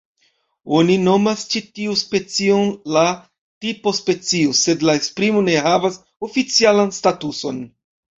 Oni nomas ĉi tiu specion la "tipo-specio" sed la esprimo ne havas oficialan statuson.